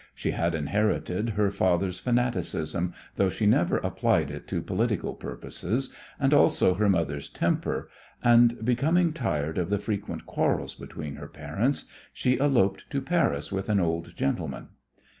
She had inherited her father's fanaticism, though she never applied it to political purposes, and also her mother's temper, and, becoming tired of the frequent quarrels between her parents, she eloped to Paris with an old gentleman.